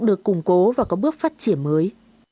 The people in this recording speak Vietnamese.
được củng cố và có bước phát triển mới